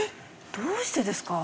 どうしてですか？